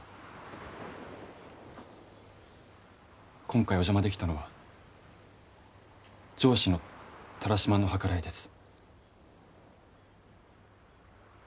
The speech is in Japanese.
今回お邪魔できたのは上司の田良島の計らいです。